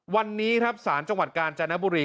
วันนี้สารจังหวัดการจานบุรี